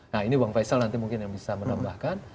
nah ini bang faisal nanti mungkin yang bisa menambahkan